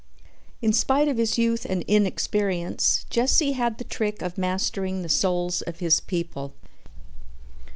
In spite of his youth and inexperience, Jesse had the trick of mastering the souls of his people.